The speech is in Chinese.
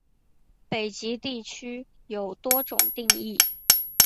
北极地区有多种定义。